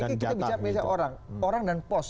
ini kita bicara misalnya orang dan pos